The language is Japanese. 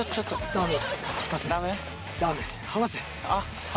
ダメ。